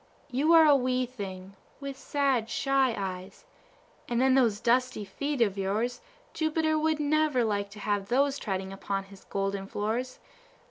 You are a wee thing, with sad, shy eyes; and then those dusty feet of yours Jupiter would never like to have those treading upon his golden floors.